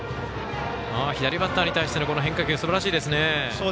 左バッターに対しての変化球すばらしいですね。